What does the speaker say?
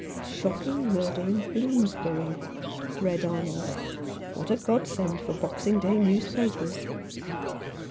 " Shocking murder in Bloomsbury," read Arnold. "What a godsend for Boxing Day newspapers."